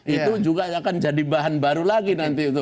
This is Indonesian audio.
itu juga akan jadi bahan baru lagi nanti itu